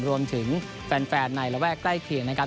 รวมถึงแฟนในระแวกใกล้เคียงนะครับ